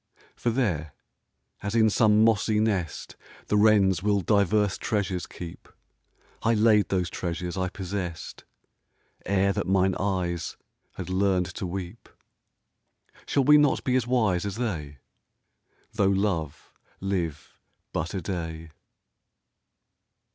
For there, as in some mossy nest The wrens will divers treasures keep, I laid those treasures I possessed Ere that mine eyes had learned to weep. Shall we not be as wise as they Though love live but a day